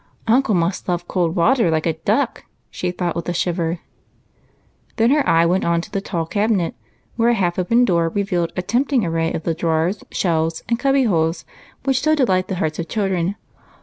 "Uncle must love cold water like a duck," she thought, with a shiver. Then her eye went on to the tall cabinet, where a half open door revealed a tempting array of the drawers, shelves, and " cubby holes," which so delight the hearts of children.